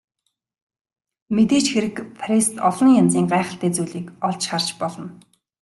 Мэдээж хэрэг Парист олон янзын гайхалтай зүйлийг олж харж болно.